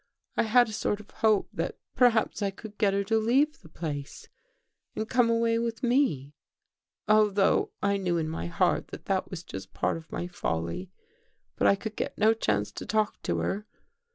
I had a sort of hope that perhaps I could get her to leave the place and come away with me, although I knew In my heart that that was just part of my folly. But I could get no chance to talk to her.